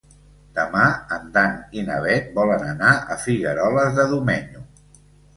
Demà en Dan i na Bet volen anar a Figueroles de Domenyo.